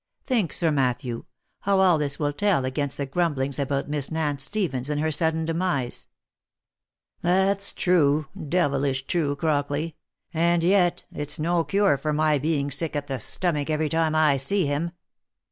Think, Sir Matthew, how all this will tell against the grumblings about Miss Nance Stephens and her sudden demise/' " That's true — devilish true, Crockley — and yet it's no cure for my being sick at the stomach every time I see him."